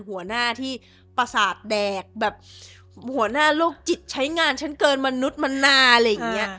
หัวหน้าที่ประสาทแดกแบบหัวหน้าโรคจิตใช้งานฉันเกินมนุษย์มนาอะไรอย่างนี้